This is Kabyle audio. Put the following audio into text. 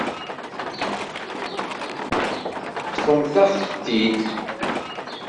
Ṭṭfemt-aɣ-tent-id.